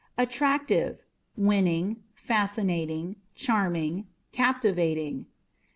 Attractive â€" winning, fascinating, charming, captivating.